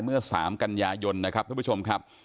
เมื่อ๓กันยายนนะครับทุกผู้ชมครับ